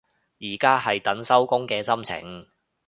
而家係等收工嘅心情